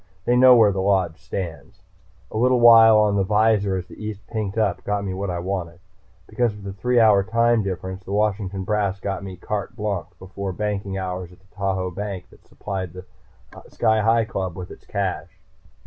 They know where the Lodge stands. A little while on the visor as the east pinked up got me what I wanted. Because of the three hour time difference, the Washington brass got me carte blanche before banking hours at the Tahoe bank that supplied the Sky Hi Club with its cash.